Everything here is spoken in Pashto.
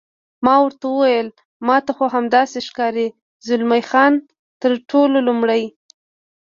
ما ورته وویل: ما ته خو همداسې ښکاري، زلمی خان: تر ټولو لومړی.